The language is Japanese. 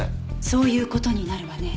そういう事になるわね。